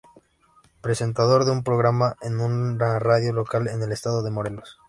Presentador de un programa en una radio local en el estado de Morelos.